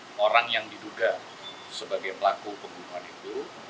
seorang orang yang diduga sebagai pelaku pembunuhan itu